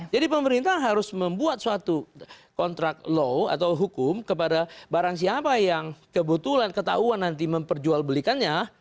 jadi pemerintah harus membuat suatu kontrak law atau hukum kepada barang siapa yang kebetulan ketahuan nanti memperjual belikannya